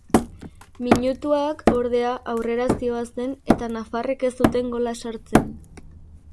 Minutuak, ordea, aurrera zihoazen eta nafarrek ez zuten gola sartzen.